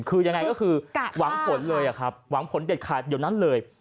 คือยังไงก็คือหวังผลเลยครับหวังผลเด็ดขาดเดี๋ยวนั้นเลย